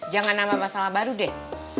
jangan nambah masalah baru deh